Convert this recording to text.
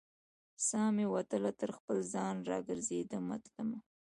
سا مې وتله تر خپل ځان، را ګرزیدمه تلمه